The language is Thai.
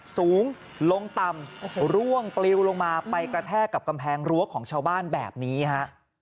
สูงลงต่ำร่วงปลิวลงมาไปกระแทกกับกำแพงรั้วของชาวบ้านแบบนี้ฮะ